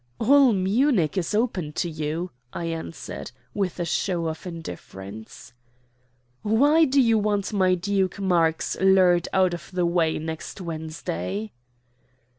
"All Munich is open to you," I answered, with a show of indifference. "Why do you want my Duke Marx lured out of the way next Wednesday?"